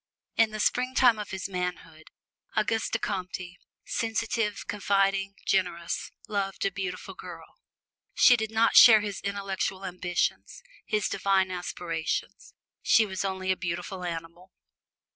In the springtime of his manhood, Auguste Comte, sensitive, confiding, generous, loved a beautiful girl. She did not share his intellectual ambitions, his divine aspiration: she was only a beautiful animal.